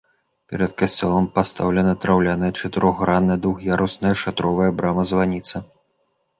Перад касцёлам пастаўлена драўляная чатырохгранная двух'ярусная шатровая брама-званіца.